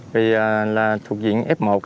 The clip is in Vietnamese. vì là thuộc diện f một